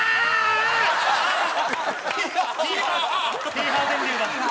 ヒーハー電流だ。